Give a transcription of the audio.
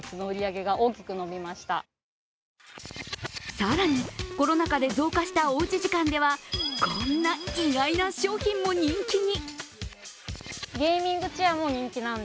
更に、コロナ禍で増加したおうち時間ではこんな意外な商品も人気に。